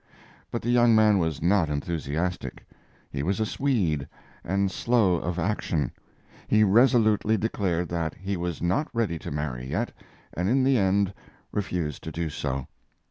But the young man was not enthusiastic. He was a Swede and slow of action. He resolutely declared that he was not ready to marry yet, and in the end refused to do so.